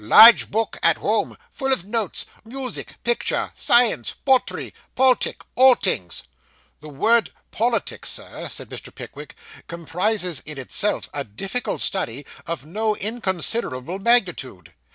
'Large book at home full of notes music, picture, science, potry, poltic; all tings.' 'The word politics, sir,' said Mr. Pickwick, 'comprises in itself, a difficult study of no inconsiderable magnitude.